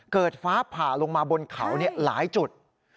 เกิดฟ้าผ่าลงมาบนเขาหลายจุด